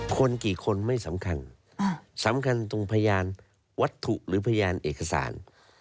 คนกี่คนไม่สำคัญสำคัญตรงพยานวัตถุหรือพยานเอกสาร